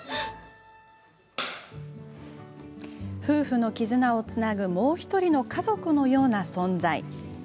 夫婦の絆をつなぐもう１人の家族のような存在。